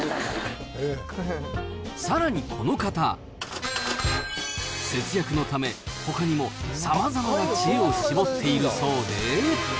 さらにこの方、節約のため、ほかにもさまざまな知恵を絞っているそうで。